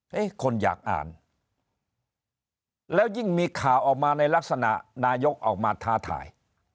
คนอยากอ่านแล้วยิ่งมีข่าวออกมาในลักษณะนายกออกมาท้าทาย